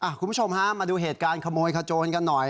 คุณผู้ชมฮะมาดูเหตุการณ์ขโมยขโจนกันหน่อย